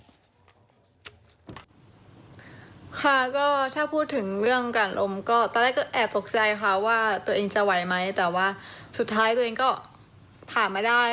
ค่ะก็ถ้าพูดถึงเรื่องการลมก็ตอนแรกก็แอบตกใจค่ะว่าตัวเองจะไหวไหมแต่ว่าสุดท้ายตัวเองก็ผ่านมาได้